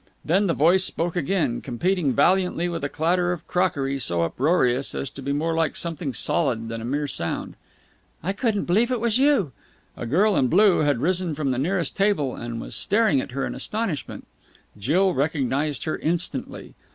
Then the voice spoke again, competing valiantly with a clatter of crockery so uproarious as to be more like something solid than a mere sound. "I couldn't believe it was you!" A girl in blue had risen from the nearest table, and was staring at her in astonishment. Jill recognized her instantly.